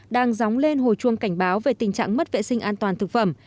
đang dóng lên hồi chuông cảnh báo về tình trạng mất vệ sinh an toàn thực phẩm